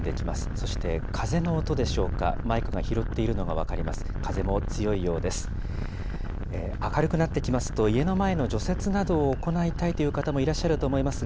そして風の音でしょうか、マイクが拾っているのが分かります。